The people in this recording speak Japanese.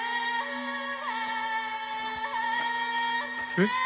えっ！？